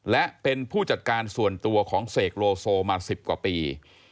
และเป็นผู้จัดการส่วนตัวของเสกโลโซมา๑๐กว่าปี